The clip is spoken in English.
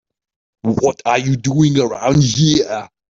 What are you doing around here?